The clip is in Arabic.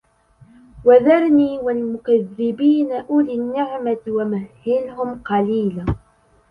وَذَرْنِي وَالْمُكَذِّبِينَ أُولِي النَّعْمَةِ وَمَهِّلْهُمْ قَلِيلا